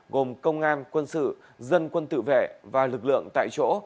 gồm công an quân sự dân quân tự vệ và lực lượng tại chỗ